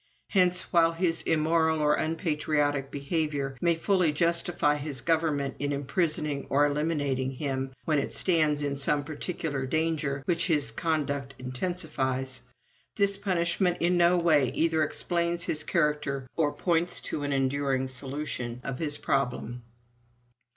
Hence, while his immoral or unpatriotic behavior may fully justify his government in imprisoning or eliminating him when it stands in some particular danger which his conduct intensifies, this punishment in no way either explains his character or points to an enduring solution of his problem.